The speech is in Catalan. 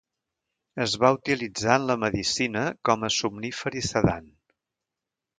Es va utilitzar en la medicina com a somnífer i sedant.